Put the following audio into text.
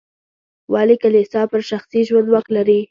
ولې کلیسا پر شخصي ژوند واک لري.